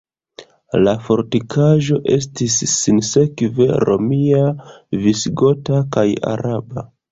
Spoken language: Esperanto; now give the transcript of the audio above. La fortikaĵo estis sinsekve romia, visigota kaj araba.